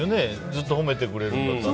ずっと褒めてくれると。